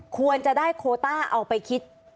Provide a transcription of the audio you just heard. ควรจะได้โคต้าเอาไปคิด